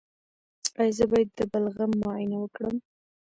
ایا زه باید د بلغم معاینه وکړم؟